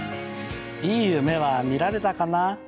いい夢はみられたかな。